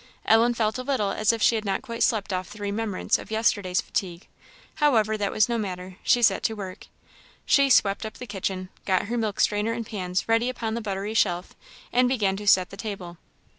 Ellen felt a little as if she had not quite slept off the remembrance of yesterday's fatigue; however, that was no matter, she set to work. She swept up the kitchen, got her milk strainer and pans ready upon the buttery shelf, and began to set the table.